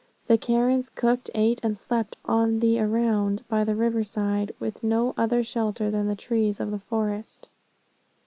The Karens cooked, ate and slept on the around, by the river side, with no other shelter than the trees of the forest.